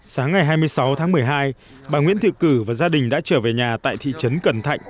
sáng ngày hai mươi sáu tháng một mươi hai bà nguyễn thị cử và gia đình đã trở về nhà tại thị trấn cần thạnh